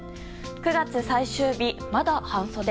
９月最終日、まだ半袖。